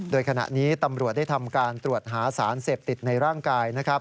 โดยขณะนี้ตำรวจได้ทำการตรวจหาสารเสพติดในร่างกายนะครับ